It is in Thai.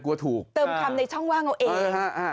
กลัวถูกเติมคำในช่องว่างเอาเอง